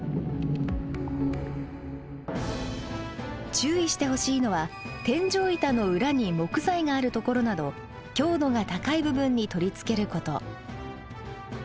注意してほしいのは天井板の裏に木材があるところなど強度が高い部分に取り付けること。